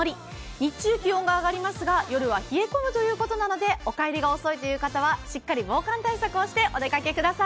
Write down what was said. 日中、気温が上がりますが夜は冷え込むということなのでお帰りが遅いという方はしっかりと防寒対策をしてお出かけください。